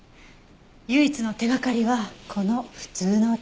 唯一の手がかりはこの「普通の中年」。